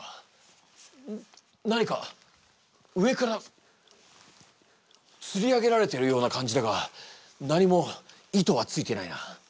何か上からつり上げられてるような感じだが何も糸はついてないな。